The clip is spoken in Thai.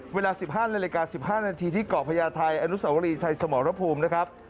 เวลา๑๕นาฬิกา๑๕นาทีที่เกาะพญาไทยอนุสาวรีชัยสมรภูมินะครับ